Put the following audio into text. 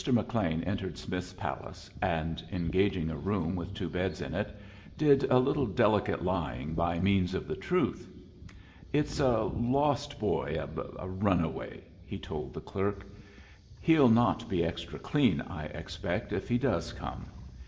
Mr. McLean entered Smith's Palace, and, engaging a room with two beds in it, did a little delicate lying by means of the truth. "It's a lost boy a runaway," he told the clerk. "He'll not be extra clean, I expect, if he does come.